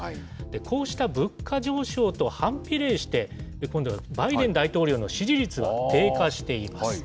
こうした物価上昇と反比例して、今度はバイデン大統領の支持率が低下しています。